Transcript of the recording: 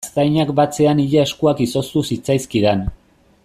Gaztainak batzean ia eskuak izoztu zitzaizkidan.